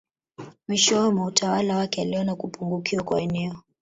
Mwishowe mwa utawala wake aliona kupungukiwa kwa eneo